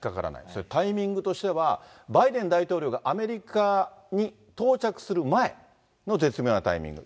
それ、タイミングとしては、バイデン大統領がアメリカに到着する前の絶妙なタイミング。